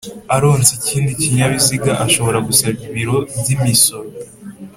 aronse ikindi kinyabiziga ashobora gusaba ibiro by'imisoro